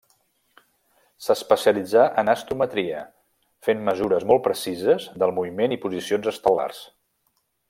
S'especialitzà en astrometria, fent mesures molt precises del moviment i posicions estel·lars.